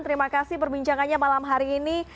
terima kasih perbincangannya malam hari ini